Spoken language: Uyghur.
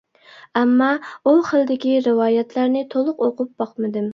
ئەمما ئۇ خىلدىكى رىۋايەتلەرنى تولۇق ئوقۇپ باقمىدىم.